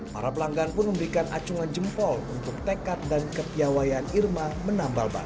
para pelanggan pun memberikan acungan jempol untuk tekad dan kepiawayaan irma menambal ban